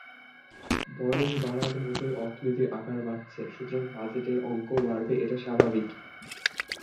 বয়স বাড়ার মতোই অর্থনীতির আকার বাড়ছে, সুতরাং বাজেটের অঙ্কও বাড়বে এটা স্বাভাবিক।